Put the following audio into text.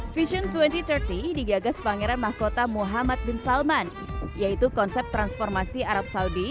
vision dua ribu tiga puluh digagas pangeran mahkota muhammad bin salman yaitu konsep transformasi arab saudi